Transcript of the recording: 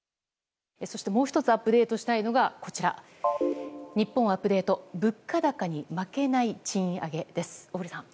もう１つアップデートしたいのが日本アップデート物価高に負けない賃上げです。